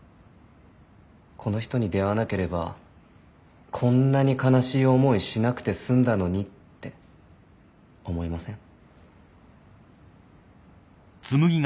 この人に出会わなければこんなに悲しい思いしなくて済んだのにって思いません？